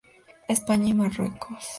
España y Marruecos.